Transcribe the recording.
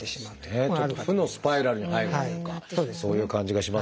ちょっと負のスパイラルに入るというかそういう感じがしますね。